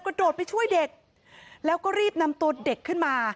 กระโดดไปช่วยเด็กแล้วก็รีบนำตัวเด็กขึ้นมา